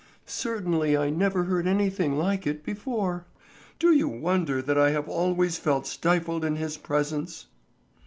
Certainly I never heard anything like it before. Do you wonder that I have always felt stifled in his presence?"